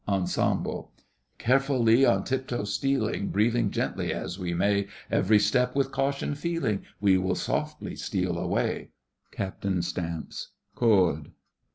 ENSEMBLE Carefully on tiptoe stealing, Breathing gently as we may, Every step with caution feeling, We will softly steal away. (CAPTAIN stamps)—Chord.